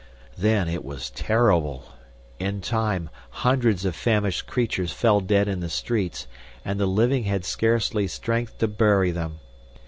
Then it was terrible. In time, hundreds of famished creatures fell dead in the streets, and the living had scarcely strength to bury them.